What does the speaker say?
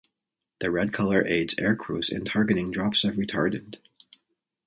The red color aids aircrews in targeting drops of retardant.